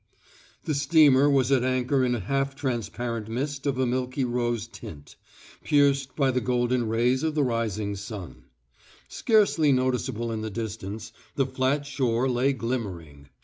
The steamer was at anchor in a half transparent mist of a milky rose tint, pierced by the golden rays of the rising sun. Scarcely noticeable in the distance, the flat shore lay glimmering.